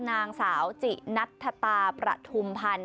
นางสาวจินัทธตาประทุมพันธ์